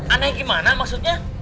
aneh gimana maksudnya